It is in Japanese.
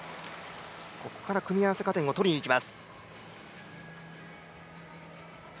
組み合わせ加点を取りにいきます。